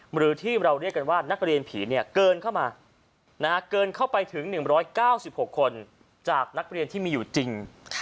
หรือที่เราเรียกกันว่านักเรียนผีเนี่ยเกินเข้ามาเกินเข้าไปถึง๑๙๖คนจากนักเรียนที่มีอยู่จริง